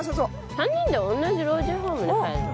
３人で同じ老人ホームに入るのは？